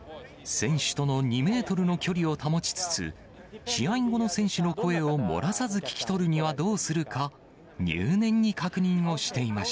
選手との２メートルの距離を保ちつつ、試合後の選手の声を漏らさず聞き取るにはどうするか、入念に確認